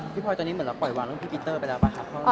พลอยตอนนี้เหมือนเราปล่อยวางเรื่องพี่ปีเตอร์ไปแล้วป่ะครับ